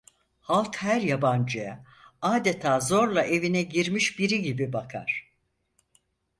Halk her yabancıya adeta zorla evine girmiş biri gibi bakar…